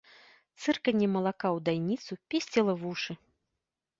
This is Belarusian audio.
Цырканне малака ў дайніцу песціла вушы.